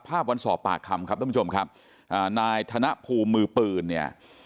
ภาพวันสอบปากคำครับท่านผู้ชมครับอ่านายธนภูมิมือปืนเนี่ย